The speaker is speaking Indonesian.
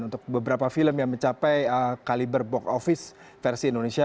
untuk beberapa film yang mencapai kaliber box office versi indonesia